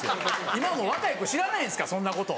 今もう若い子知らないんですからそんなこと。